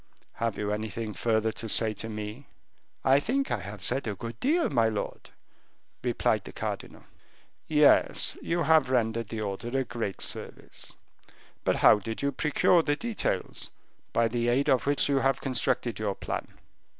"Have you anything further to say to me?" "I think I have said a good deal, my lord," replied the cardinal. "Yes, you have rendered the order a great service. But how did you procure the details, by the aid of which you have constructed your plan?"